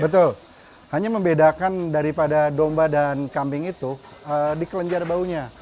betul hanya membedakan daripada domba dan kambing itu di kelenjar baunya